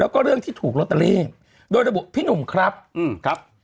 แล้วก็เรื่องที่ถูกลอตเตอรี่โดยระบุพี่หนุ่มครับอืมครับ